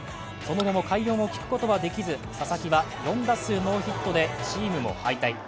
その後も快音を聞くことはできず佐々木は４打数・ノーヒットでチームも敗退。